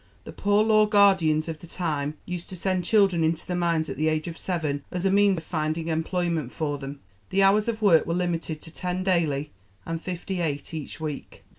The Poor Law Guardians of the time used to send children into the mines at the age of seven as a means of finding employment for them. The hours of work were limited to ten daily and fifty eight each week.